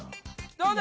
どうだ！